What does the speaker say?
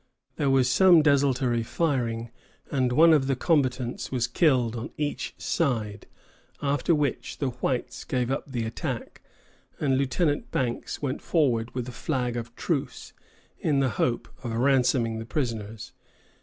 There was some desultory firing, and one of the combatants was killed on each side, after which the whites gave up the attack, and Lieutenant Banks went forward with a flag of truce, in the hope of ransoming the prisoners.